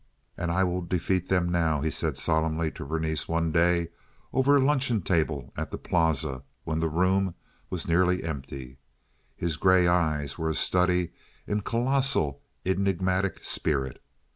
"And I will defeat them now," he said, solemnly, to Berenice one day over a luncheon table at the Plaza when the room was nearly empty. His gray eyes were a study in colossal enigmatic spirit.